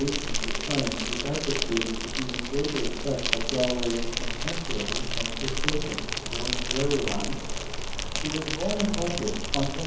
tion for science was advocated with even greater effect by Galileo s contemporary frauds Bacon (Lord Verulam), who was born at London on Jan.